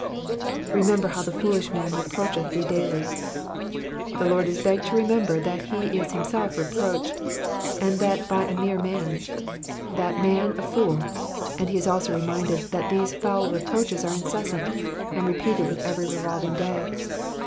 '"'"Remember how the foolish man reproacheth thee daily. ^^ The Lord is begged to remember that he is him self reproached, and that by a mere man — that man a fool, and he is also reminded that these foul reproaches are incessant and repeated with every revolving day.